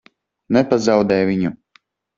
Nepazaudē viņu!